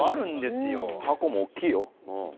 たこも大きいよ。